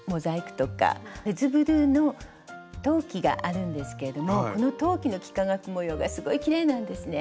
フェズブルーの陶器があるんですけれどもこの陶器の幾何学模様がすごいきれいなんですね。